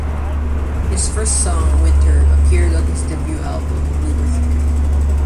His first song, "Winter", appeared on his debut album "We Were Here".